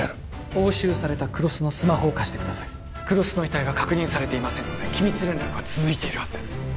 押収された黒須のスマホを貸してください黒須の遺体は確認されていませんので機密連絡は続いているはずです